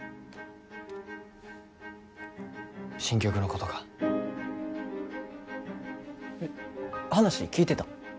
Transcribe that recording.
新曲のことか話聞いてた？